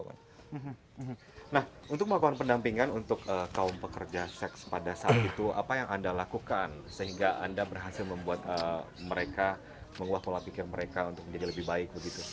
nah untuk melakukan pendampingan untuk kaum pekerja seks pada saat itu apa yang anda lakukan sehingga anda berhasil membuat mereka menguap pola pikir mereka untuk menjadi lebih baik begitu